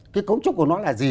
cái cấu trúc của nó là gì